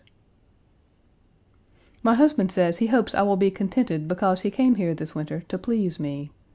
My husband says he hopes I will be contented because he came here this winter to please me.